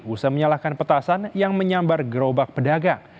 usah menyalakan petasan yang menyambar gerobak pedagang